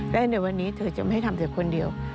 และในวันนี้เธอจะไม่ทำเธอคนเดียว